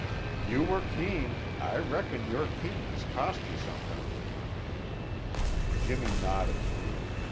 "You were keen. I reckon your keenness cost you something!" Jimmy nodded.